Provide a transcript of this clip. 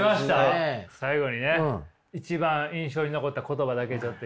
最後にね一番印象に残った言葉だけちょっといいですか？